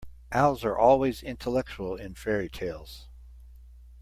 Owls are always intellectual in fairy-tales.